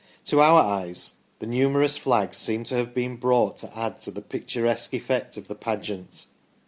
To our eyes the numerous flags seemed to have been brought to add to the picturesque effect of the pageant.